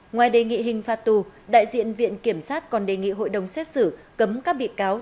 ngoài đề nghị hình phạt tù đại diện viện kiểm sát còn đề nghị hội đồng xét xử cấm các bị cáo